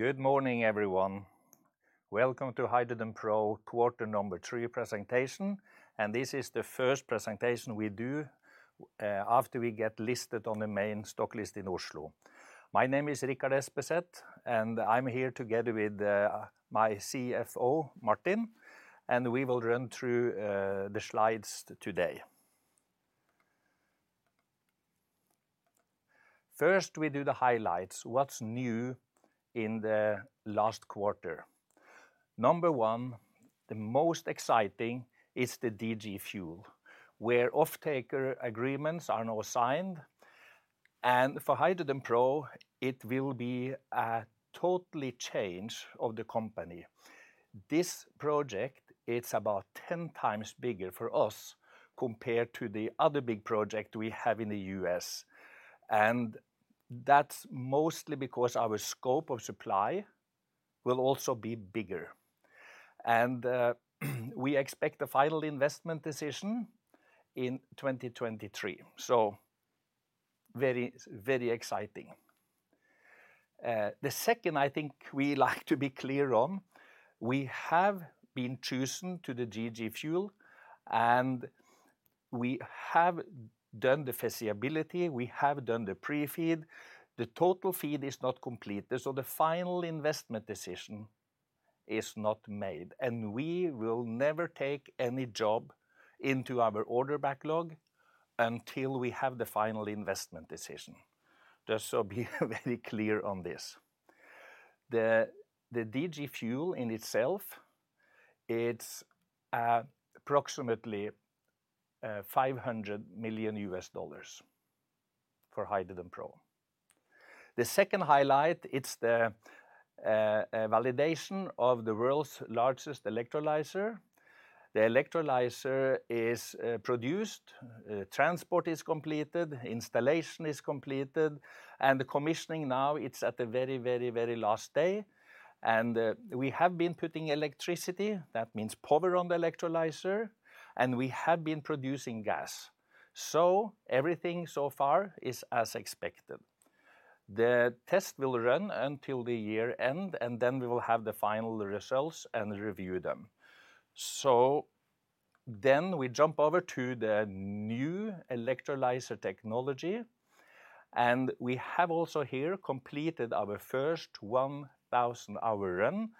Good morning, everyone. Welcome to HydrogenPro quarter number three presentation. This is the first presentation we do after we get listed on the main stock list in Oslo. My name is Richard Espeseth, and I'm here together with my CFO, Martin, and we will run through the slides today. First, we do the highlights. What's new in the last quarter? Number one, the most exciting is the DG Fuels, where offtaker agreements are now signed, and for HydrogenPro, it will be a totally change of the company. This project, it's about 10 times bigger for us compared to the other big project we have in the U.S., and that's mostly because our scope of supply will also be bigger. We expect the final investment decision in 2023. Very exciting. The second I think we like to be clear on, we have been chosen to the DG Fuels, and we have done the feasibility, we have done the pre-FEED. The total FEED is not complete. The final investment decision is not made. We will never take any job into our order backlog until we have the final investment decision. Just be very clear on this. The DG Fuels in itself, it's approximately $500 million for HydrogenPro. The second highlight, it's the validation of the world's largest electrolyzer. The electrolyzer is produced, transport is completed, installation is completed, and the commissioning now it's at the very last day. We have been putting electricity, that means power on the electrolyzer, and we have been producing gas. Everything so far is as expected. The test will run until the year-end, we will have the final results and review them. We jump over to the new electrolyzer technology, and we have also here completed our first 1,000-hour run.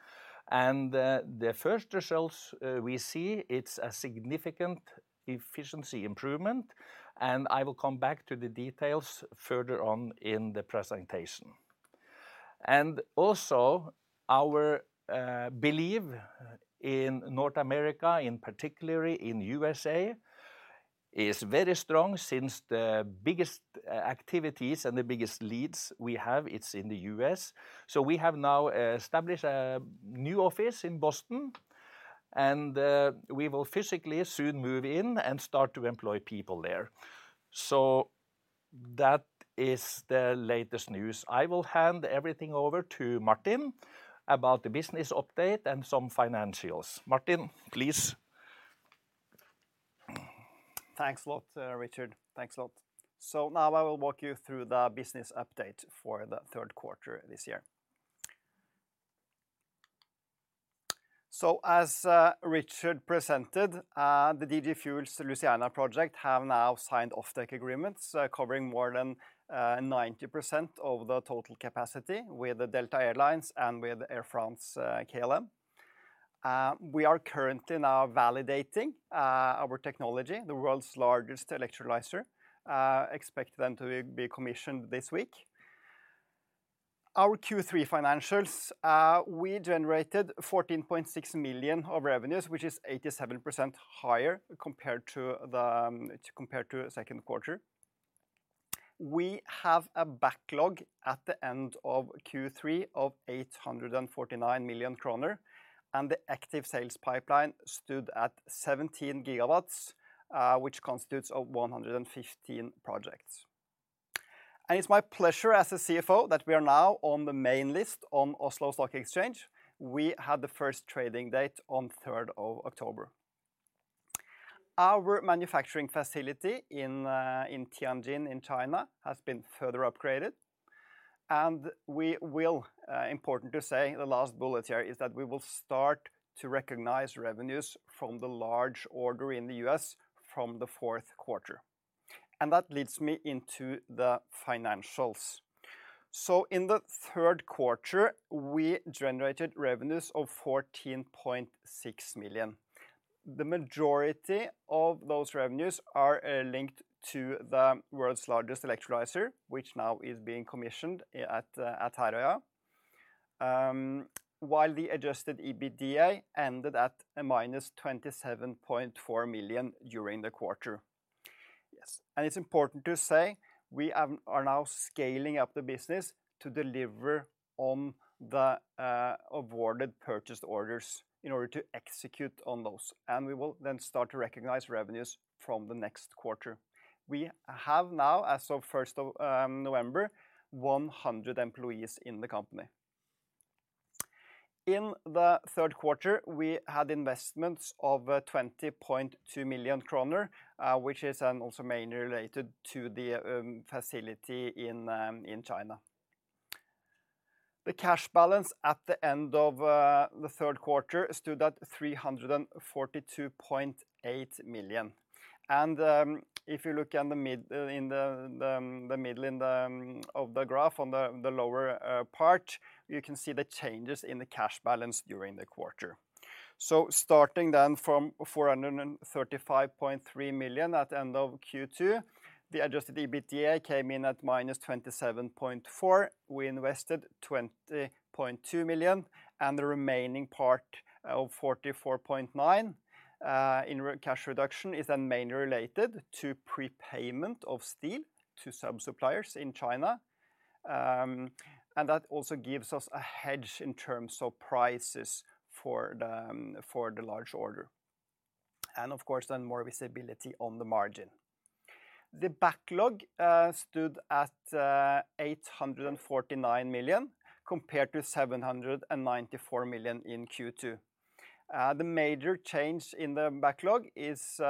The first results we see, it's a significant efficiency improvement, and I will come back to the details further on in the presentation. Our belief in North America, and particularly in USA, is very strong since the biggest activities and the biggest leads we have, it's in the U.S. We have now established a new office in Boston, and we will physically soon move in and start to employ people there. That is the latest news. I will hand everything over to Martin about the business update and some financials. Martin, please. Thanks a lot, Richard. Thanks a lot. Now I will walk you through the business update for the third quarter this year. As Richard presented, the DG Fuels Louisiana project have now signed offtake agreements, covering more than 90% of the total capacity with the Delta Air Lines and with Air France-KLM. We are currently now validating our technology, the world's largest electrolyzer, expect them to be commissioned this week. Our Q3 financials, we generated 14.6 million of revenues, which is 87% higher compared to the second quarter. We have a backlog at the end of Q3 of 849 million kroner, and the active sales pipeline stood at 17 gigawatts, which constitutes of 115 projects. It's my pleasure as the CFO that we are now on the main list on Oslo Stock Exchange. We had the first trading date on 3rd of October. Our manufacturing facility in Tianjin in China has been further upgraded. Important to say, the last bullet here is that we will start to recognize revenues from the large order in the U.S. from the fourth quarter. That leads me into the financials. In the third quarter, we generated revenues of 14.6 million. The majority of those revenues are linked to the world's largest electrolyzer, which now is being commissioned at Herøya. While the adjusted EBITDA ended at a -27.4 million during the quarter. It's important to say we are now scaling up the business to deliver on the awarded purchase orders in order to execute on those. We will then start to recognize revenues from the next quarter. We have now, as of November 1, 100 employees in the company. In the third quarter, we had investments of 20.2 million kroner, which is also mainly related to the facility in China. The cash balance at the end of the third quarter stood at 342.8 million. If you look in the middle of the graph on the lower part, you can see the changes in the cash balance during the quarter. Starting then from 435.3 million at end of Q2, the adjusted EBITDA came in at -27.4. We invested 20.2 million, and the remaining part of 44.9 in cash reduction is then mainly related to prepayment of steel to some suppliers in China. That also gives us a hedge in terms of prices for the large order and of course, then more visibility on the margin. The backlog stood at 849 million compared to 794 million in Q2. The major change in the backlog is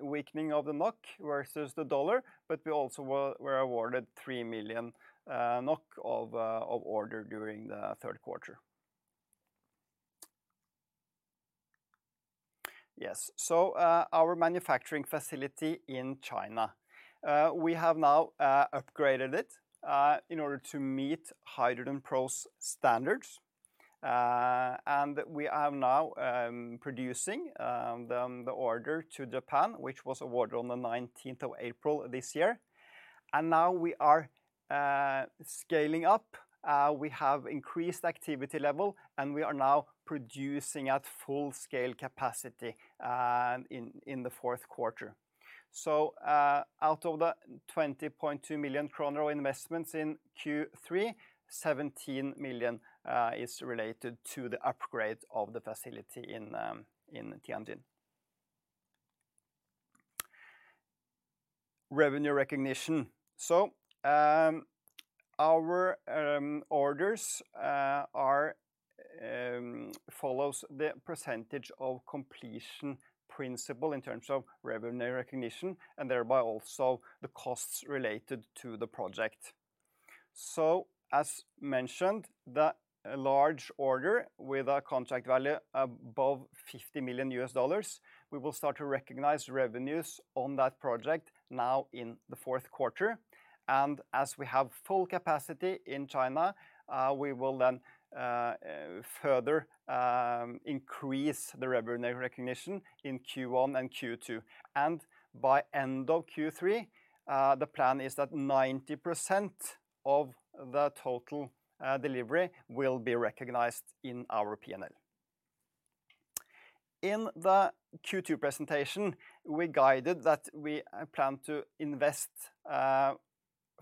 weakening of the NOK versus the U.S. dollar, but we also were awarded 3 million NOK of order during the third quarter. Our manufacturing facility in China, we have now upgraded it in order to meet HydrogenPro's standards. We are now producing the order to Japan, which was awarded on the 19th of April this year. Now we are scaling up. We have increased activity level, and we are now producing at full-scale capacity in the fourth quarter. Out of the 20.2 million kroner investments in Q3, 17 million is related to the upgrade of the facility in Tianjin. Revenue recognition. Our orders follows the percentage of completion principle in terms of revenue recognition and thereby also the costs related to the project. As mentioned, the large order with a contract value above $50 million, we will start to recognize revenues on that project now in the fourth quarter. As we have full capacity in China, we will then further increase the revenue recognition in Q1 and Q2. By end of Q3, the plan is that 90% of the total delivery will be recognized in our P&L. In the Q2 presentation, we guided that we plan to invest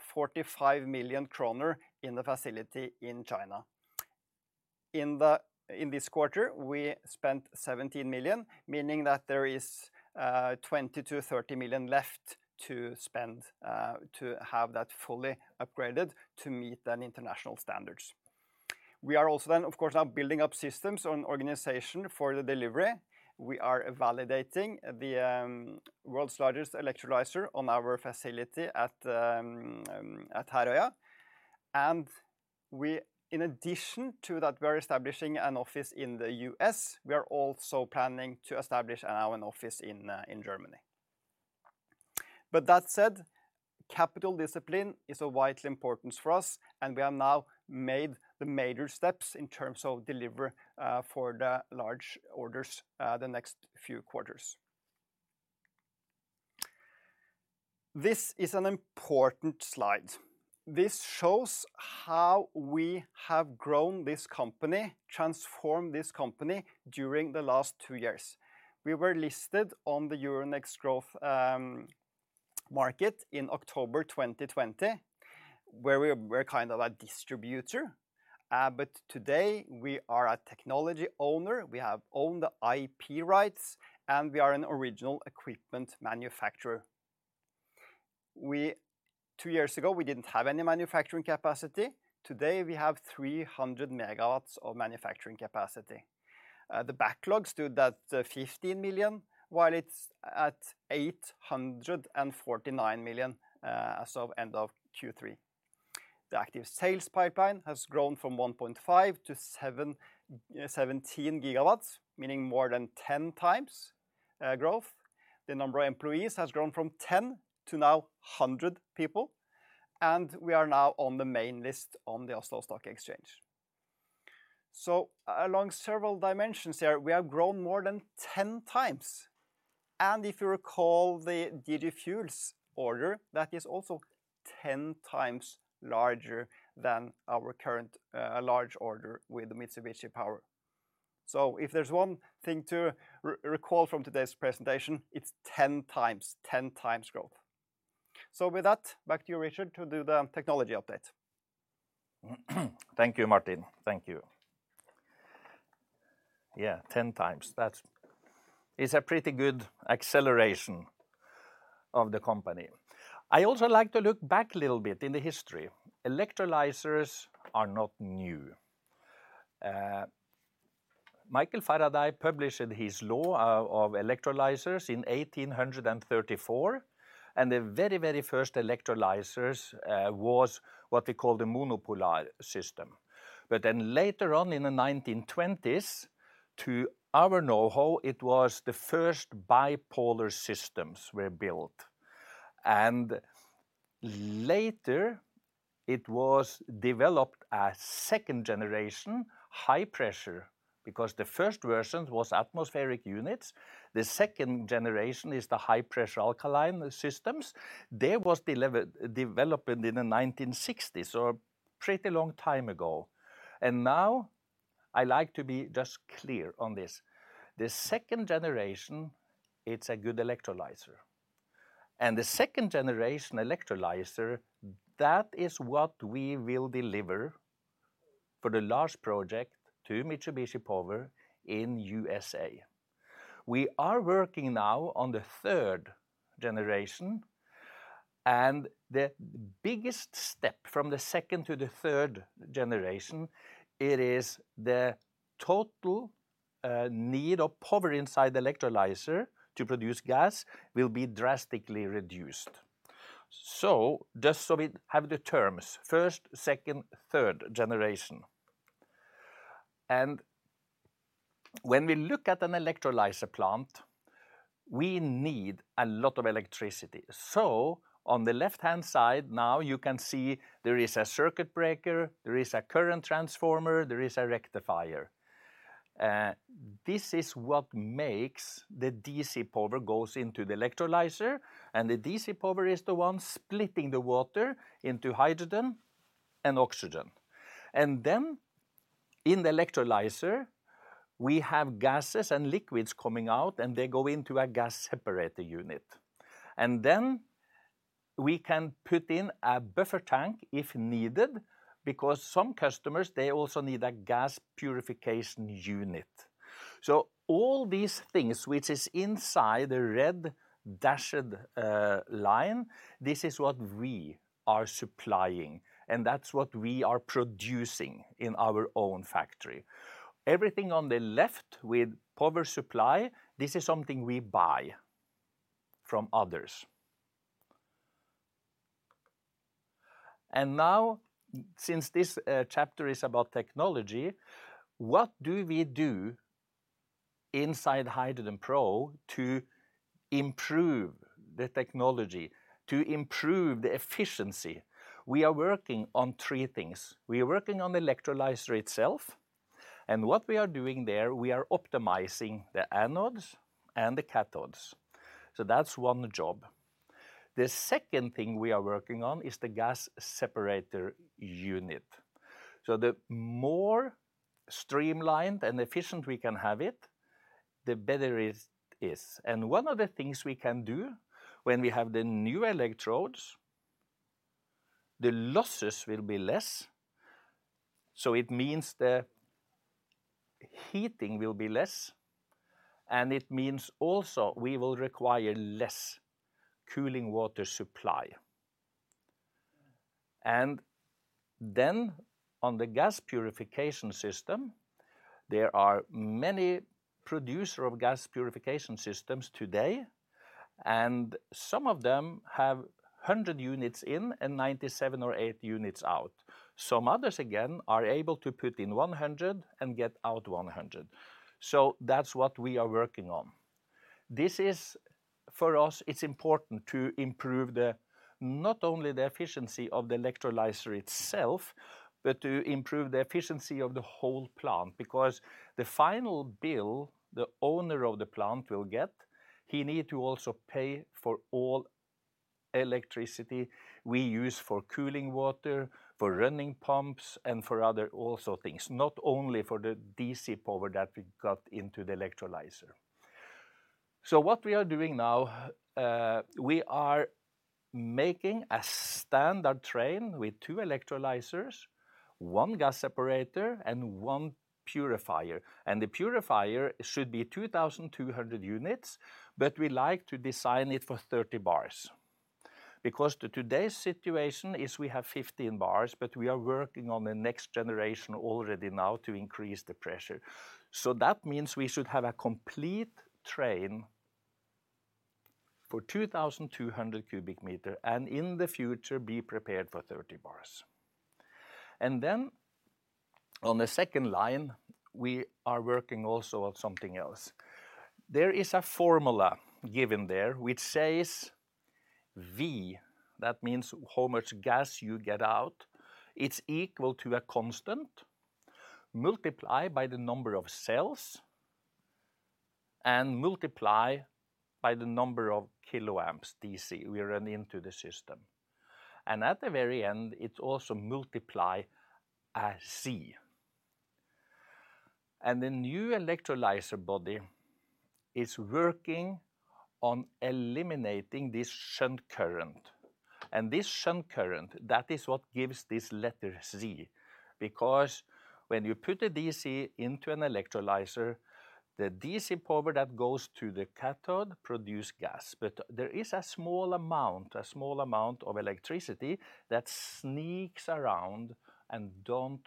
45 million kroner in the facility in China. In this quarter, we spent 17 million, meaning that there is 20 million to 30 million left to spend to have that fully upgraded to meet the international standards. We are also then, of course, now building up systems and organization for the delivery. We are validating the world's largest electrolyzer on our facility at Herøya. In addition to that, we are establishing an office in the U.S. We are also planning to establish an office in Germany. That said, capital discipline is of vital importance for us, and we have now made the major steps in terms of delivery for the large orders the next few quarters. This is an important slide. This shows how we have grown this company, transformed this company during the last two years. We were listed on the Euronext Growth in October 2020, where we were a distributor. Today we are a technology owner. We have owned the IP rights, and we are an original equipment manufacturer. Two years ago, we didn't have any manufacturing capacity. Today, we have 300 MW of manufacturing capacity. The backlog stood at 15 million, while it's at 849 million as of end of Q3. Thank you, Martin. Thank you. 10 times. That is a pretty good acceleration of the company. I also like to look back a little bit in the history. Electrolyzers are not new. Michael Faraday published his law of electrolyzers in 1834, and the very first electrolyzers was what they call the monopolar system. Later on in the 1920s, to our knowhow, it was the first bipolar systems were built. Later, it was developed a second generation, high pressure, because the first version was atmospheric units. The second generation is the high-pressure alkaline systems. They was developed in the 1960s, so a pretty long time ago. Now, I like to be just clear on this. The second generation, it's a good electrolyzer. The second-generation electrolyzer, that is what we will deliver for the large project to Mitsubishi Power in USA. We are working now on the third generation. The biggest step from the second to the third generation, it is the total need of power inside the electrolyzer to produce gas will be drastically reduced. Just so we have the terms, first, second, third generation. When we look at an electrolyzer plant, we need a lot of electricity. On the left-hand side now you can see there is a circuit breaker, there is a current transformer, there is a rectifier. because some customers, they also need a gas purification unit. All these things which is inside the red dashed line, this is what we are supplying, and that's what we are producing in our own factory. Everything on the left with power supply, this is something we buy from others. Now, since this chapter is about technology, what do we do inside HydrogenPro to improve the technology, to improve the efficiency? We are working on three things. We are working on the electrolyzer itself, and what we are doing there, we are optimizing the anodes and the cathodes. That's one job. The second thing we are working on is the gas separator unit. The more streamlined and efficient we can have it, the better it is. One of the things we can do when we have the new electrodes, the losses will be less. It means the heating will be less, and it means also we will require less cooling water supply. Then on the gas purification system, there are many producer of gas purification systems today, and some of them have 110 units in and 97 or 8 units out. Some others, again, are able to put in 100 and get out 100. That's what we are working on. This is, for us, it's important to improve not only the efficiency of the electrolyzer itself, but to improve the efficiency of the whole plant because the final bill, the owner of the plant will get, he need to also pay for all electricity we use for cooling water, for running pumps, and for other also things, not only for the DC power that we got into the electrolyzer. What we are doing now, we are making a standard train with 2 electrolyzers, 1 gas separator, and 1 purifier. The purifier should be 2,200 units, but we like to design it for 30 bars. Because today's situation is we have 15 bars, but we are working on the next generation already now to increase the pressure. That means we should have a complete train for 2,200 cubic meter, and in the future, be prepared for 30 bars. Then on the second line, we are working also on something else. There is a formula given there which says V, that means how much gas you get out. It's equal to a constant, multiply by the number of cells and multiply by the number of kiloamps DC we run into the system. At the very end, it also multiply a Z. The new electrolyzer body is working on eliminating this shunt current. This shunt current, that is what gives this letter Z, because when you put a DC into an electrolyzer, the DC power that goes to the cathode produce gas. There is a small amount of electricity that sneaks around and don't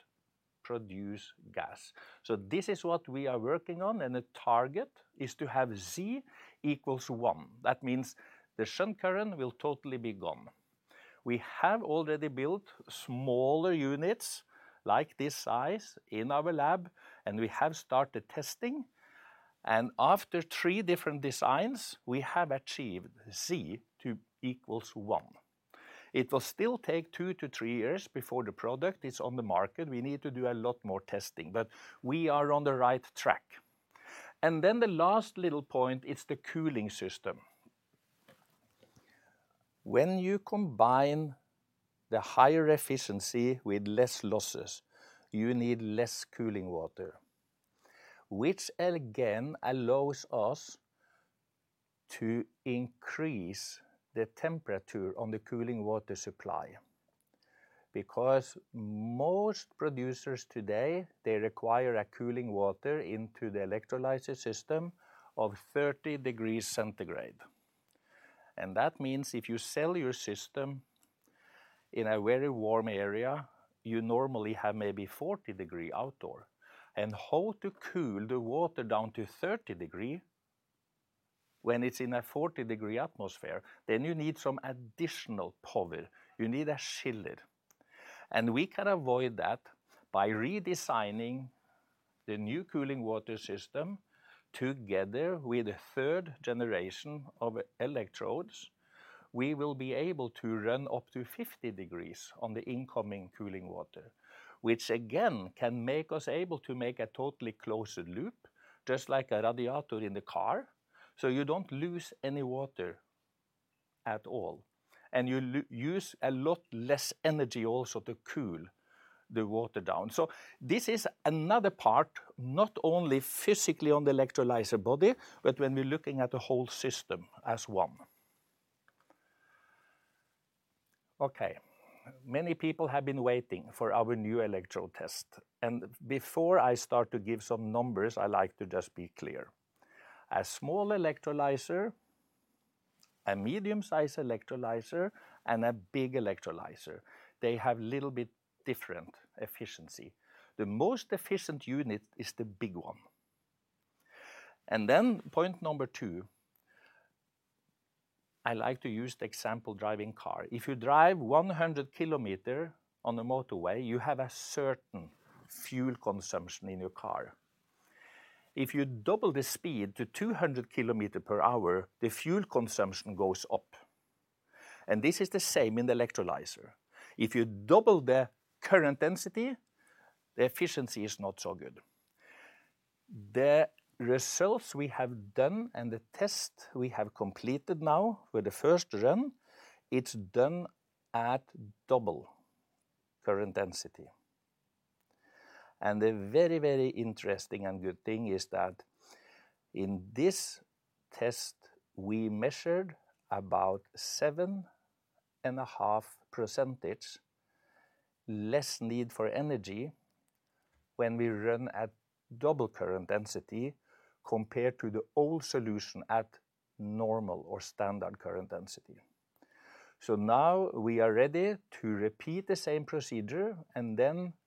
produce gas. This is what we are working on, and the target is to have Z equals 1. That means the shunt current will totally be gone. We have already built smaller units like this size in our lab, and we have started testing. After 3 different designs, we have achieved Z to equals 1. It will still take two to three years before the product is on the market. We need to do a lot more testing, we are on the right track. The last little point is the cooling system. When you combine the higher efficiency with less losses, you need less cooling water, which again allows us to increase the temperature on the cooling water supply. Most producers today, they require a cooling water into the electrolyzer system of 30 degrees centigrade. That means if you sell your system in a very warm area, you normally have maybe 40 degrees outdoor. How to cool the water down to 30 degrees when it's in a 40-degree atmosphere, then you need some additional power. You need a chiller. We can avoid that by redesigning the new cooling water system together with the third generation of electrodes. We will be able to run up to 50 degrees on the incoming cooling water, which again can make us able to make a totally closed loop, just like a radiator in the car, so you don't lose any water at all. You use a lot less energy also to cool the water down. This is another part, not only physically on the electrolyzer body, but when we're looking at the whole system as one. Okay. Many people have been waiting for our new electrode test. Before I start to give some numbers, I like to just be clear. A small electrolyzer, a medium-sized electrolyzer, and a big electrolyzer, they have little bit different efficiency. The most efficient unit is the big one. Point number two, I like to use the example driving car. If you drive 100 km on the motorway, you have a certain fuel consumption in your car. If you double the speed to 200 km per hour, the fuel consumption goes up. This is the same in the electrolyzer. If you double the current density, the efficiency is not so good. The results we have done and the test we have completed now with the first run, it's done at double current density. The very, very interesting and good thing is that in this test, we measured about 7.5% less need for energy when we run at double current density compared to the old solution at normal or standard current density. Now we are ready to repeat the same procedure,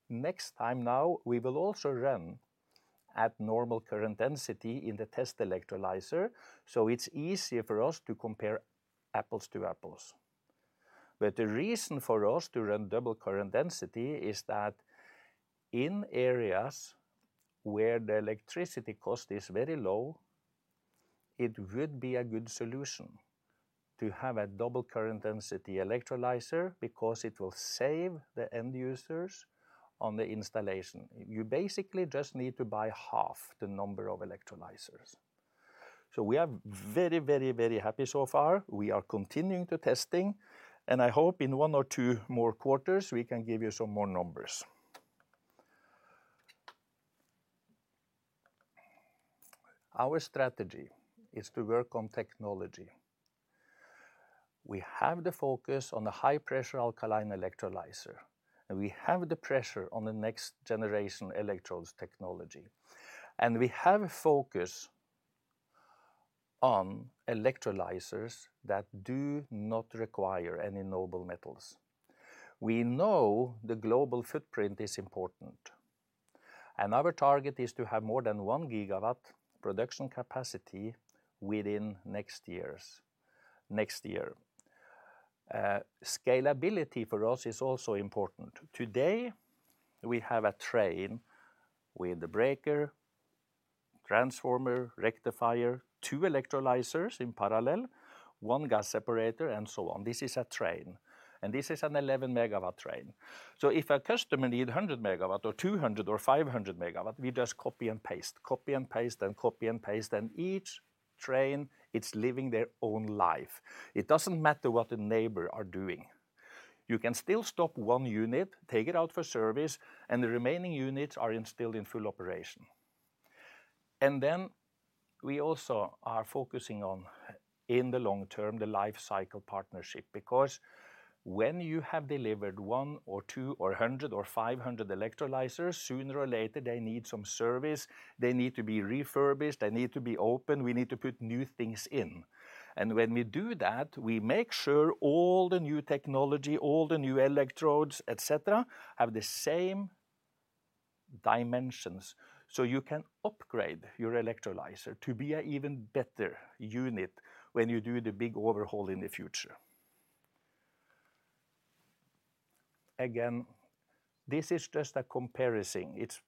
next time now, we will also run at normal current density in the test electrolyzer, so it's easier for us to compare apples to apples. The reason for us to run double current density is that in areas where the electricity cost is very low, it would be a good solution to have a double current density electrolyzer because it will save the end users on the installation. You basically just need to buy half the number of electrolyzers. We are very happy so far. We are continuing the testing, I hope in one or two more quarters, we can give you some more numbers. Our strategy is to work on technology. We have the focus on the high-pressure alkaline electrolyzer, and we have the pressure on the next generation electrodes technology. We have a focus on electrolyzers that do not require any noble metals. We know the global footprint is important. Another target is to have more than one gigawatt production capacity within next year. Scalability for us is also important. Today, we have a train with the circuit breaker, current transformer, rectifier, two electrolyzers in parallel, one gas separator, and so on. This is a train, and this is an 11 MW train. If a customer need 100 MW or 200 MW or 500 MW, we just copy and paste. Copy and paste and copy and paste, and each train, it's living their own life. It doesn't matter what the neighbor are doing. You can still stop one unit, take it out for service, and the remaining units are still in full operation. We also are focusing on, in the long term, the life cycle partnership, because when you have delivered one or two or 100 or 500 electrolyzers, sooner or later, they need some service. They need to be refurbished. They need to be opened. We need to put new things in. When we do that, we make sure all the new technology, all the new electrodes, et cetera, have the same dimensions, so you can upgrade your electrolyzer to be an even better unit when you do the big overhaul in the future. Again, this is just a comparison. It's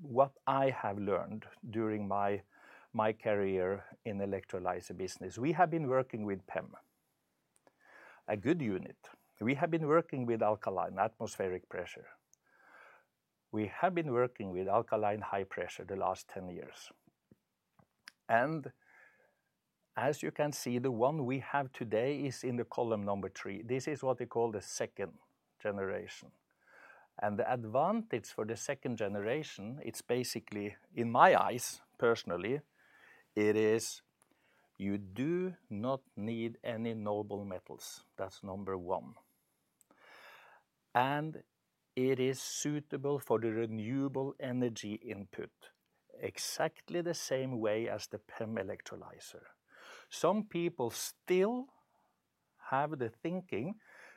what I have learned during my career in the electrolyzer business. We have been working with PEM, a good unit. We have been working with alkaline atmospheric pressure. We have been working with alkaline high pressure the last 10 years. As you can see, the one we have today is in the column number three. This is what we call the second generation. The advantage for the second generation, it's basically, in my eyes, personally, it is you do not need any noble metals. That's number one. It is suitable for the renewable energy input, exactly the same way as the PEM electrolyzer. Some people still have the thinking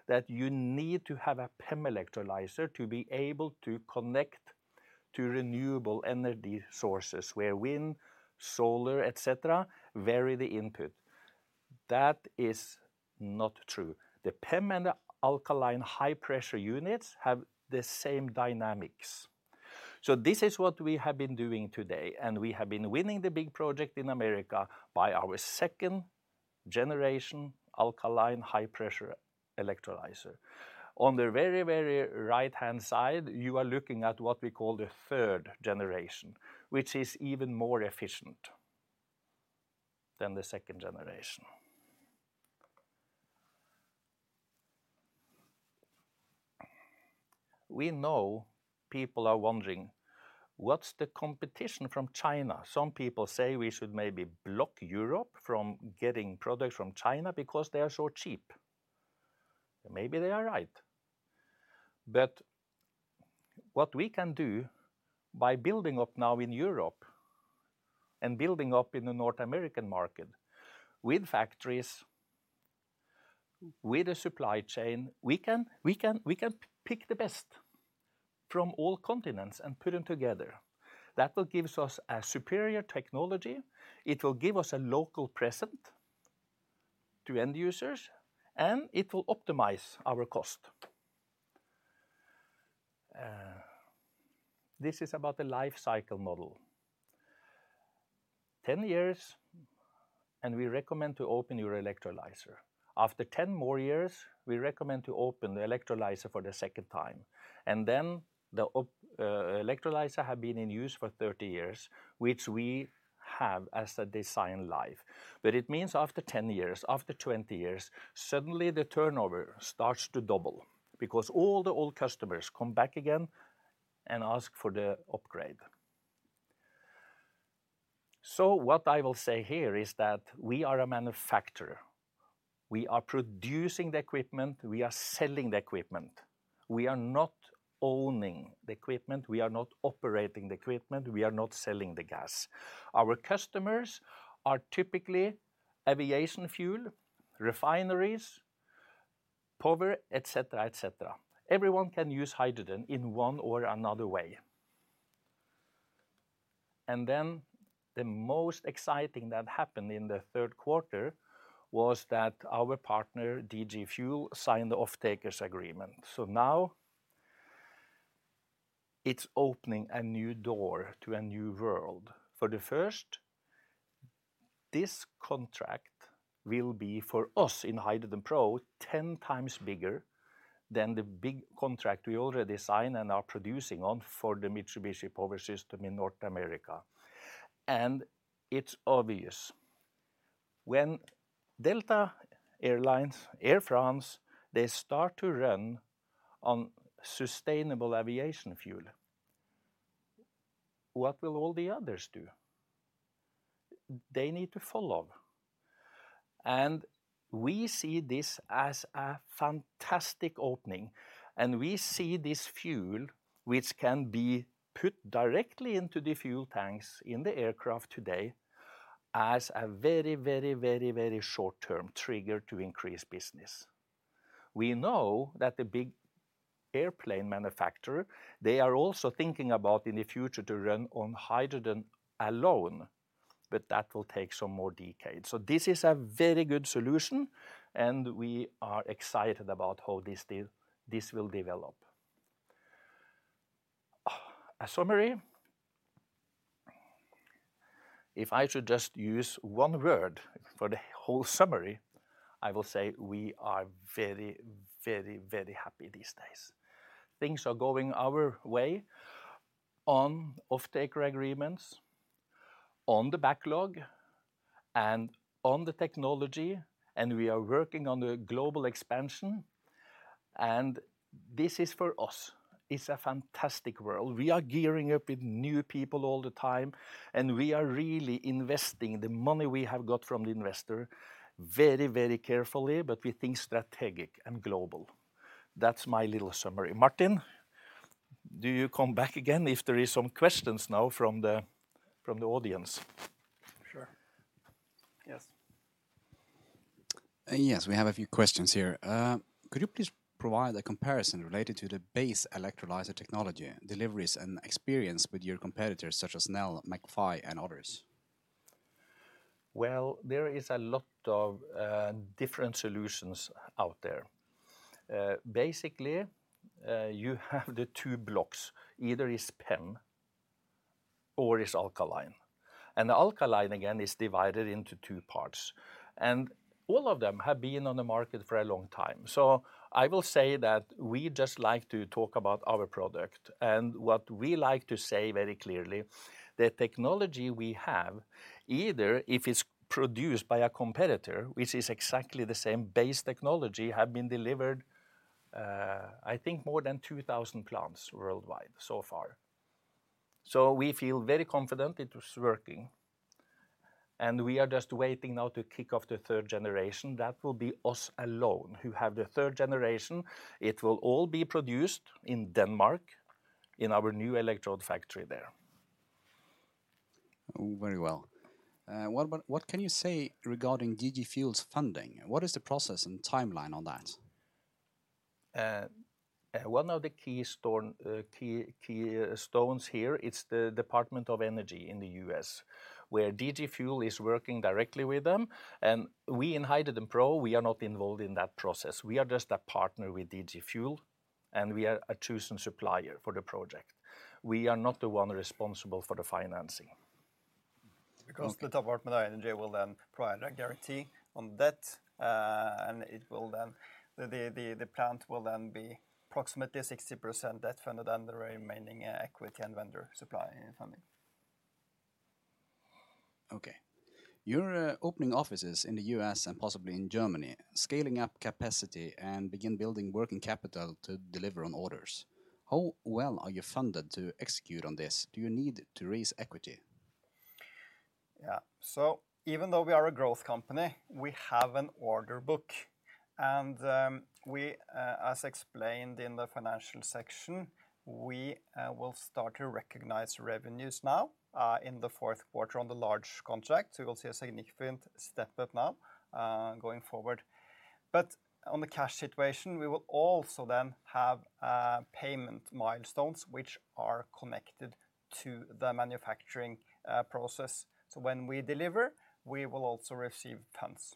that you need to have a PEM electrolyzer to be able to connect to renewable energy sources, where wind, solar, et cetera, vary the input. That is not true. The PEM and the alkaline high pressure units have the same dynamics. This is what we have been doing today, and we have been winning the big project in America by our second-generation alkaline high pressure electrolyzer. On the very right-hand side, you are looking at what we call the third generation, which is even more efficient than the second generation. We know people are wondering, what's the competition from China? Some people say we should maybe block Europe from getting products from China because they are so cheap. Maybe they are right. What we can do by building up now in Europe and building up in the North American market with factories, with a supply chain, we can pick the best from all continents and put them together. That will give us a superior technology. It will give us a local presence to end users, and it will optimize our cost. This is about the life cycle model. 10 years, and we recommend to open your electrolyzer. After 10 more years, we recommend to open the electrolyzer for the second time. The electrolyzer has been in use for 30 years, which we have as a design life. It means after 10 years, after 20 years, suddenly the turnover starts to double because all the old customers come back again and ask for the upgrade. What I will say here is that we are a manufacturer. We are producing the equipment. We are selling the equipment. We are not owning the equipment. We are not operating the equipment. We are not selling the gas. Our customers are typically aviation fuel, refineries, power, et cetera. Everyone can use hydrogen in one or another way. The most exciting that happened in the third quarter was that our partner, DG Fuels, signed the off-taker's agreement. Now it's opening a new door to a new world. For the first, this contract will be for us in HydrogenPro 10 times bigger than the big contract we already signed and are producing on for the Mitsubishi Power in North America. It's obvious. When Delta Air Lines, Air France, they start to run on sustainable aviation fuel, what will all the others do? They need to follow. We see this as a fantastic opening, and we see this fuel, which can be put directly into the fuel tanks in the aircraft today, as a very short-term trigger to increase business. We know that the big airplane manufacturer, they are also thinking about in the future to run on hydrogen alone, but that will take some more decades. This is a very good solution, and we are excited about how this will develop. A summary. If I should just use one word for the whole summary, I will say we are very happy these days. Things are going our way on off-taker agreements, on the backlog and on the technology. We are working on the global expansion. This is for us, it's a fantastic world. We are gearing up with new people all the time, and we are really investing the money we have got from the investor very carefully, but we think strategic and global. That's my little summary. Martin, do you come back again if there is some questions now from the audience? Sure. Yes. Yes, we have a few questions here. Could you please provide a comparison related to the base electrolyzer technology deliveries and experience with your competitors such as Nel, McPhy, and others? Well, there is a lot of different solutions out there. Basically, you have the two blocks, either is PEM or is alkaline. The alkaline, again, is divided into two parts, and all of them have been on the market for a long time. I will say that we just like to talk about our product and what we like to say very clearly, the technology we have, either if it's produced by a competitor, which is exactly the same base technology, have been delivered, I think more than 2,000 plants worldwide so far. We feel very confident it is working, and we are just waiting now to kick off the third generation. That will be us alone who have the third generation. It will all be produced in Denmark in our new electrode factory there. Very well. What can you say regarding DG Fuels's funding? What is the process and timeline on that? One of the keystones here, it's the Department of Energy in the U.S., where DG Fuels is working directly with them. We in HydrogenPro, we are not involved in that process. We are just a partner with DG Fuels, and we are a chosen supplier for the project. We are not the one responsible for the financing. The Department of Energy will then provide a guarantee on debt, and the plant will then be approximately 60% debt-funded, the remaining equity and vendor supply funding. Okay. You're opening offices in the U.S. and possibly in Germany, scaling up capacity and begin building working capital to deliver on orders. How well are you funded to execute on this? Do you need to raise equity? Yeah. Even though we are a growth company, we have an order book. As explained in the financial section, we will start to recognize revenues now, in the fourth quarter on the large contract. We will see a significant step-up now, going forward. On the cash situation, we will also then have payment milestones, which are connected to the manufacturing process. When we deliver, we will also receive funds.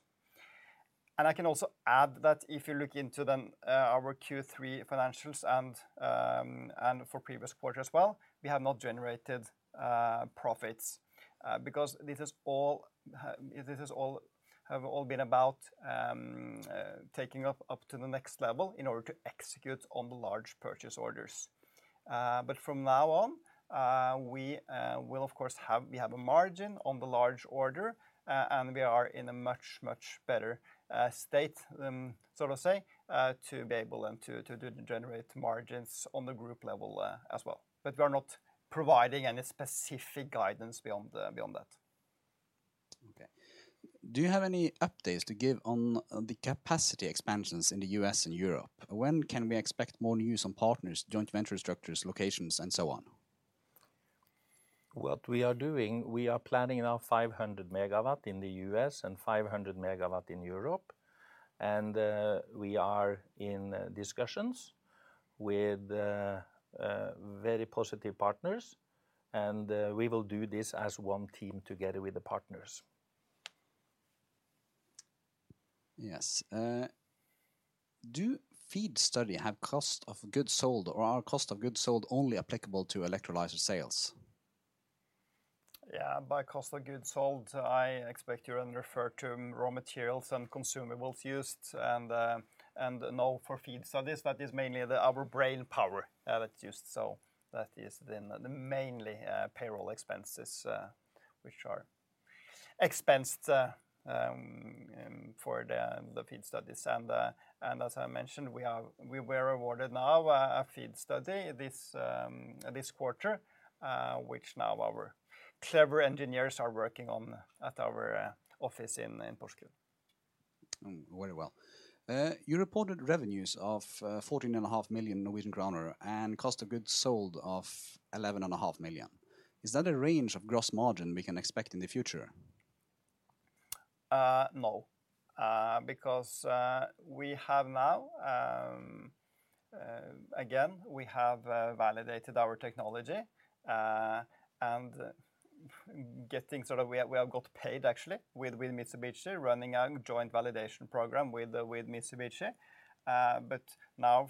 I can also add that if you look into then our Q3 financials and for previous quarters as well, we have not generated profits, because this has all been about taking up to the next level in order to execute on the large purchase orders. From now on, we have a margin on the large order, and we are in a much, much better state than so to say, to be able and to do generate margins on the group level as well. We are not providing any specific guidance beyond that. Do you have any updates to give on the capacity expansions in the U.S. and Europe? When can we expect more news on partners, joint venture structures, locations, and so on? What we are doing, we are planning now 500 MW in the U.S. and 500 MW in Europe. We are in discussions with very positive partners, and we will do this as one team together with the partners. Do FEED study have cost of goods sold, or are cost of goods sold only applicable to electrolyzer sales? By cost of goods sold, I expect you're referring to raw materials and consumables used and all for FEED studies. That is mainly our brain power that's used. That is then the mainly payroll expenses, which are expensed for the FEED studies. As I mentioned, we were awarded now a FEED study this quarter, which now our clever engineers are working on at our office in Porsgrunn. Very well. You reported revenues of 14.5 million Norwegian kroner and cost of goods sold of 11.5 million. Is that a range of gross margin we can expect in the future? No, we have now, again, validated our technology. We have got paid, actually, with Mitsubishi running a joint validation program with Mitsubishi. Now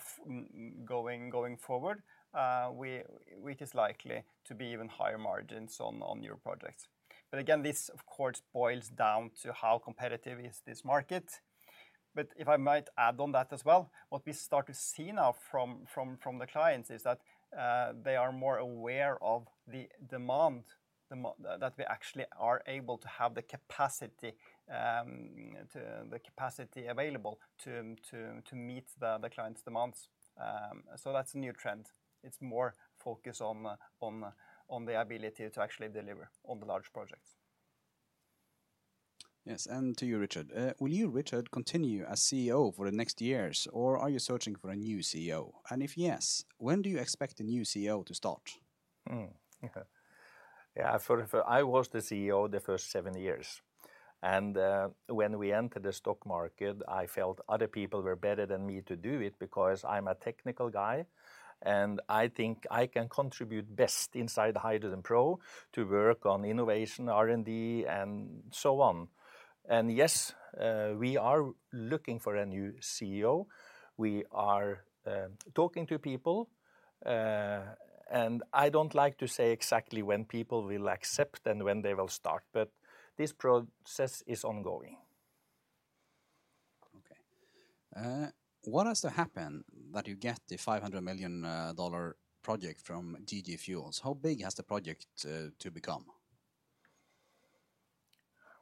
going forward, it is likely to be even higher margins on newer projects. Again, this, of course, boils down to how competitive is this market. If I might add on that as well, what we start to see now from the clients is that they are more aware of the demand, that we actually are able to have the capacity available to meet the client's demands. That's a new trend. It's more focus on the ability to actually deliver on the large projects. Yes. To you, Richard. Will you, Richard, continue as CEO for the next years, or are you searching for a new CEO? If yes, when do you expect the new CEO to start? Yeah. I was the CEO the first seven years. When we entered the stock market, I felt other people were better than me to do it because I'm a technical guy. I think I can contribute best inside the HydrogenPro to work on innovation, R&D, and so on. Yes, we are looking for a new CEO. We are talking to people. I don't like to say exactly when people will accept and when they will start, this process is ongoing. Okay. What has to happen that you get the $500 million project from DG Fuels? How big has the project to become?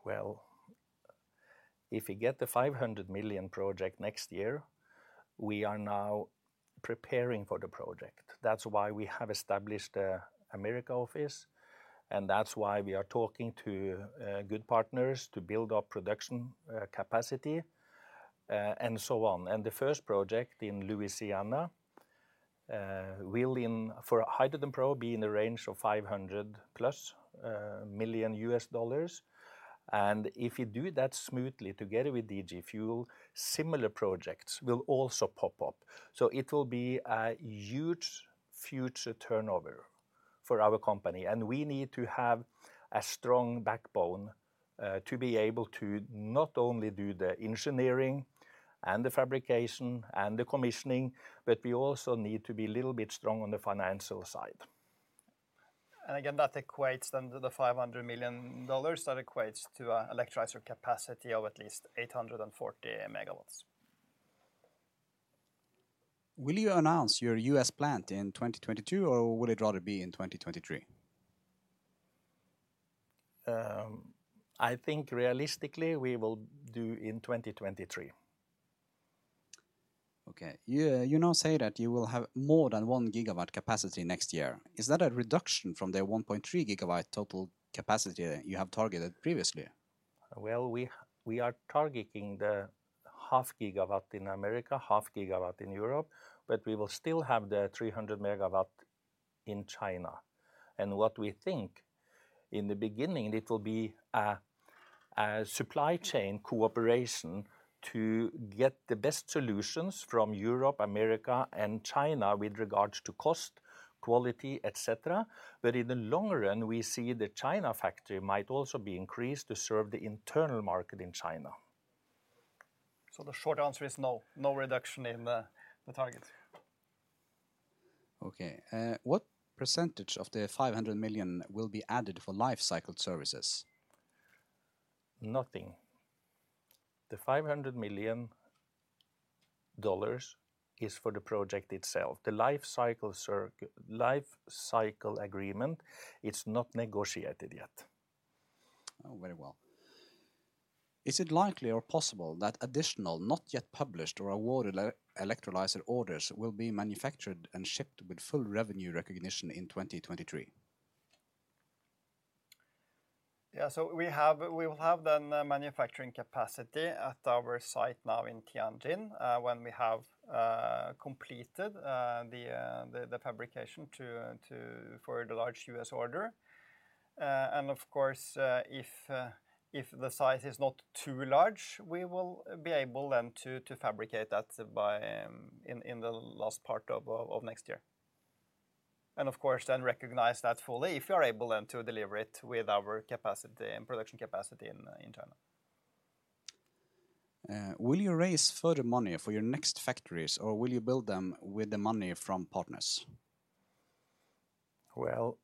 Well, if we get the $500 million project next year, we are now preparing for the project. That's why we have established a America office, and that's why we are talking to good partners to build up production capacity, and so on. The first project in Louisiana, will in, for HydrogenPro, be in the range of $500-plus million US dollars. If you do that smoothly together with DG Fuels, similar projects will also pop up. It will be a huge future turnover for our company, and we need to have a strong backbone, to be able to not only do the engineering and the fabrication and the commissioning, but we also need to be a little bit strong on the financial side. Again, that equates then to the $500 million. That equates to an electrolyzer capacity of at least 840 MW. Will you announce your U.S. plant in 2022, or would it rather be in 2023? I think realistically we will do in 2023. Okay. You now say that you will have more than 1 gigawatt capacity next year. Is that a reduction from the 1.3 gigawatt total capacity you have targeted previously? Well, we are targeting the half gigawatt in America, half gigawatt in Europe, but we will still have the 300 MW in China. What we think, in the beginning, it will be a supply chain cooperation to get the best solutions from Europe, America, and China with regards to cost, quality, et cetera. In the long run, we see the China factory might also be increased to serve the internal market in China. The short answer is no. No reduction in the target. Okay. What % of the $500 million will be added for life cycle services? Nothing. The $500 million is for the project itself. The life cycle agreement, it's not negotiated yet. Oh, very well. Is it likely or possible that additional, not yet published or awarded electrolyzer orders will be manufactured and shipped with full revenue recognition in 2023? Yeah, we will have then the manufacturing capacity at our site now in Tianjin, when we have completed the fabrication for the large U.S. order. Of course, if the size is not too large, we will be able then to fabricate that in the last part of next year. Of course then recognize that fully if we are able then to deliver it with our capacity and production capacity in China. Will you raise further money for your next factories, or will you build them with the money from partners? Well,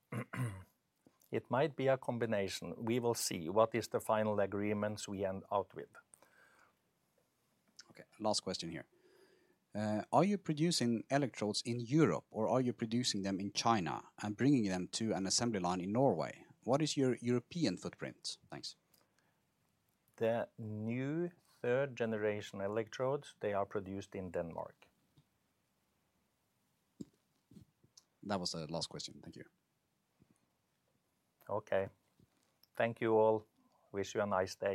it might be a combination. We will see what is the final agreements we end out with. Okay. Last question here. Are you producing electrodes in Europe, or are you producing them in China and bringing them to an assembly line in Norway? What is your European footprint? Thanks. The new third-generation electrodes, they are produced in Denmark. That was the last question. Thank you. Okay. Thank you all. Wish you a nice day.